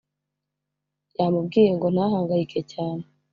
yamubwiye ngo ntahangayike cyane